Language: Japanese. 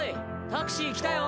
タクシー来たよ。